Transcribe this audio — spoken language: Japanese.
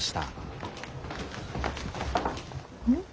うん？